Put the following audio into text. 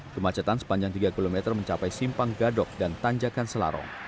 kemacetan sepanjang tiga km mencapai simpang gadok dan tanjakan selarong